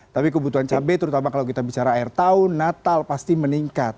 tapi kebutuhan cabai terutama kalau kita bicara air tahu natal pasti meningkat